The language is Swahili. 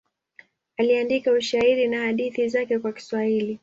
Aliandika ushairi na hadithi zake kwa Kiswahili.